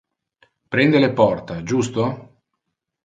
Prende le porta, justo?